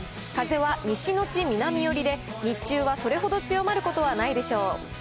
風は西のち南寄りで、日中はそれほど強まることはないでしょう。